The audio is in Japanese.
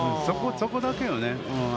そこだけよね。